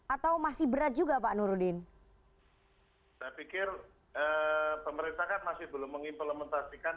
atau masih berat juga pak nurudin saya pikir pemerintah kan masih belum mengimplementasikan